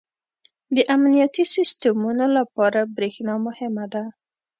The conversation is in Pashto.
• د امنیتي سیسټمونو لپاره برېښنا مهمه ده.